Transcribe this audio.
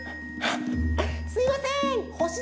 すいませんほし